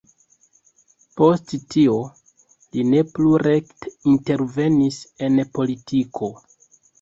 Post tio, li ne plu rekte intervenis en politiko.